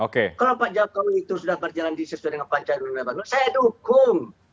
kalau pak jokowi itu sudah berjalan sesuai dengan pancasila saya dukung